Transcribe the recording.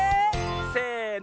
せの。